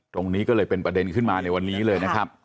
ตรงนี้ก็เลยเป็นประเด็นขึ้นมาในวันนี้เลยนะครับ